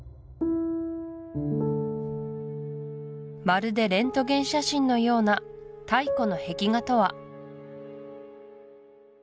まるでレントゲン写真のような太古の壁画とは？